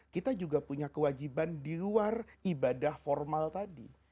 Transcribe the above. kita juga punya kewajiban di luar ibadah formal tadi